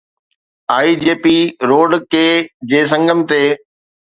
IJP road K جي سنگم تي